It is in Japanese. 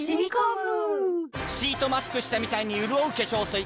シートマスクしたみたいにうるおう化粧水